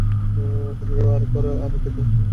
অপেক্ষা কর আর দেখো!